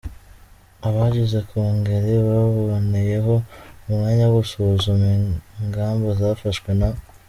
Abagize Kongere baboneyeho umwanya wo gusuzuma ingamba zafashwe na